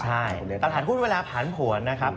ใช่ตลาดหุ้นเวลาผ่านผลนะครับ